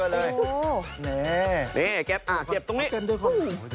นี่แก๊บเก็บตรงนี้